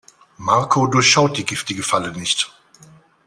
Marco durchschaut die giftige Falle nicht.